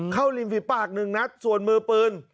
เข้าริมฝีปาก๑นัดส่วนมือปืน